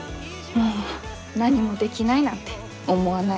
もう何もできないなんて思わない。